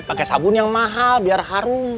pakai sabun yang mahal biar harum